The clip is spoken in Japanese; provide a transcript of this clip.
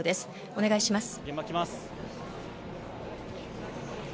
お願いします。